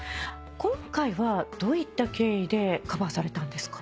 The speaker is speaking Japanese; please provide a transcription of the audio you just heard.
今回はどういった経緯でカバーされたんですか？